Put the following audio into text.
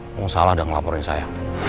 mau salah udah ngelaporin saya